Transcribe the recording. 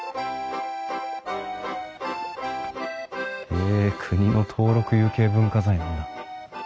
へえ国の登録有形文化財なんだ。